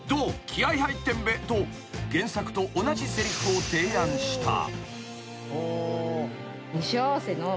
気合入ってんべ」と原作と同じせりふを提案した］